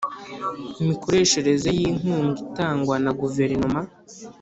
mikoreshereze y inkunga itangwa na Guverinoma